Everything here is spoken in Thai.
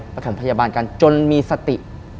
ประถมพยาบาลกันจนมีสติ